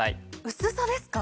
薄さですか？